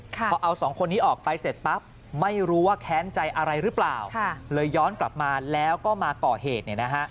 พอเอาสองคนนี้ออกไปเสร็จปั๊บไม่รู้ว่าแค้นใจอะไรหรือเปล่าเลยย้อนกลับมาแล้วก็มาก่อเหตุ